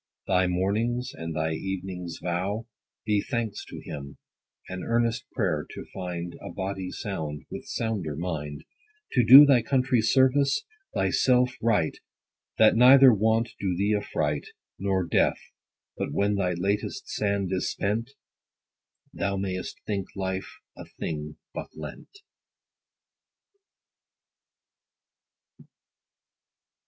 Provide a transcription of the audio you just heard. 90 Thy morning's and thy evening's vow Be thanks to him, and earnest pray'r to find A body sound, with sounder mind ; To do thy country service, thy self right ; That neither want do thee affright, Nor death ; but when thy latest sand is spent, Thou may'st think life a thing but lent.